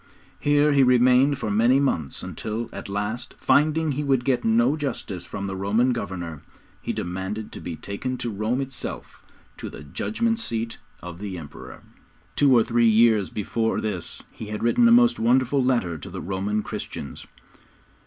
Here he remained for many months, until, at last, finding he would get no justice from the Roman governor, he demanded to be taken to Rome itself to the Judgment Seat of the Emperor. Two or three years before this he had written a most wonderful letter to the Roman Christians.